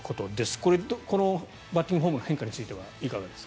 これこのバッティングフォームの変化についてはいかがですか？